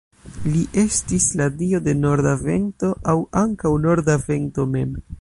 Li estis la dio de norda vento aŭ ankaŭ norda vento mem.